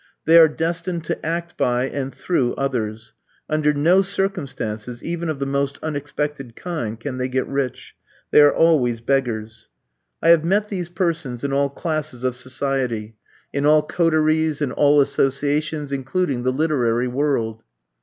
They are destined to act by and through others. Under no circumstances, even of the most unexpected kind, can they get rich; they are always beggars. I have met these persons in all classes of society, in all coteries, in all associations, including the literary world.